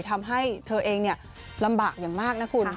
ทำให้เธอเองลำบากอย่างมากนะคุณ